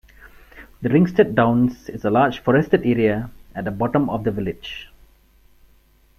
The Ringstead downs is a large forested area at the bottom of the village.